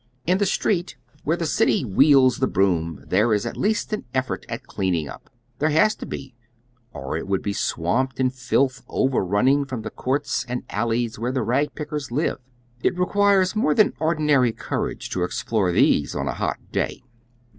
In the street, where the city wields the broom, there is at least an effort at cleaning up. There has to be, or it wonld be swamped in filth ovei'rnnning from the courts and alleys where the rag pickers live. It requires more than ordinaiy courage to explore these on a hot day.